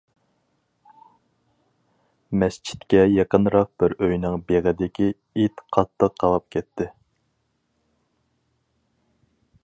مەسچىتكە يېقىنراق بىر ئۆينىڭ بېغىدىكى ئىت قاتتىق قاۋاپ كەتتى.